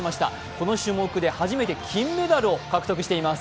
この種目で初めての金メダルを獲得しています。